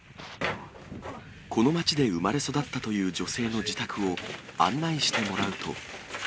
この町で生まれ育ったという女性の自宅を案内してもらうと。